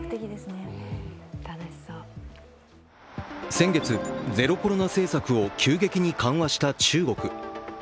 先月、ゼロコロナ政策を急激に緩和した中国。